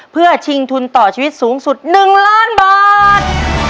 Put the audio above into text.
เพื่อชิงทุนต่อชีวิตสูงสุด๑ล้านบาท